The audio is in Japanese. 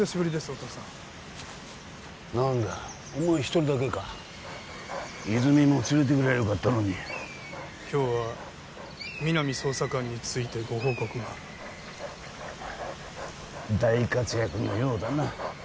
お父さん何だよお前一人だけか泉も連れてくりゃよかったのに今日は皆実捜査官についてご報告が大活躍のようだな